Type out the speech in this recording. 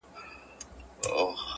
په لمن کي یې ور واچول قندونه!.